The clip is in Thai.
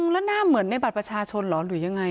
แล้วหน้าเหมือนในบัตรประชาชนเหรอหรือยังไง